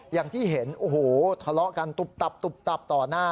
อย่างที่เห็นโอ้โหทะเลาะกันตุ๊บตับตุบตับต่อหน้า